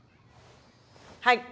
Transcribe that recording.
はい。